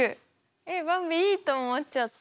えばんびいいと思っちゃった。